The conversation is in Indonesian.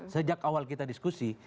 sejak awal kita diskusi